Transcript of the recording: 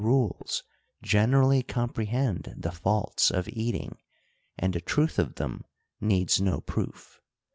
59 rules generally comprehend the faults of eating ; and the truth of them needs no proof.